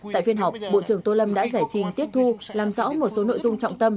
tại phiên họp bộ trưởng tô lâm đã giải trình tiếp thu làm rõ một số nội dung trọng tâm